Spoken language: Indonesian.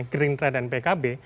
gerindra dan pkb